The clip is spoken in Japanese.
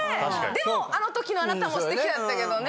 でもあの時のあなたも素敵だったけどね」